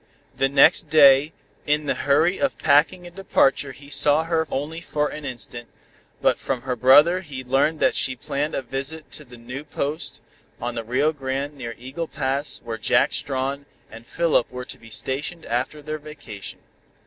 The next day in the hurry of packing and departure he saw her only for an instant, but from her brother he learned that she planned a visit to the new Post on the Rio Grande near Eagle Pass where Jack Strawn and Philip were to be stationed after their vacation.